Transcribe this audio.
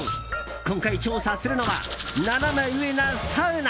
今回、調査するのはナナメ上なサウナ。